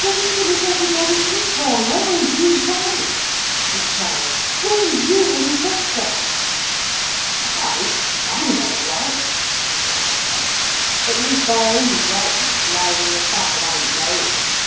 "But even if everybody is wrong—where are you right?" she cried, "where are you any better?" "I?—I'm not right," he cried back. "At least my only rightness lies in the fact that I know it.